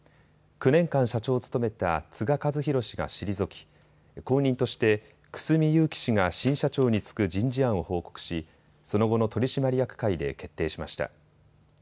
９年間、社長を務めた津賀一宏氏が退き、後任として楠見雄規氏が新社長に就く人事案を報告しその後の取締役会で決定しました。